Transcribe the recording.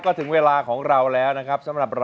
ก็ถึงเวลาของเราแล้วนะครับสำหรับเรา